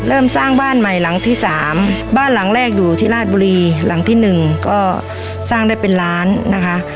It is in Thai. เริ่มสร้างบ้านใหม่หลังที่สามบ้านหลังแรกอยู่ที่ราชบุรีหลังที่หนึ่งก็สร้างได้เป็นล้านนะคะ